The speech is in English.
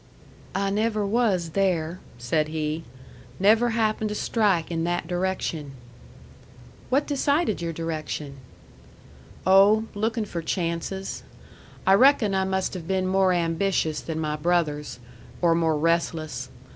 "I never was there," said he. "Never happened to strike in that direction." "What decided your direction?" "Oh, looking for chances. I reckon I must have been more ambitious than my brothers or more restless.